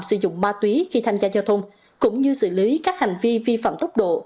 sử dụng ma túy khi tham gia giao thông cũng như xử lý các hành vi vi phạm tốc độ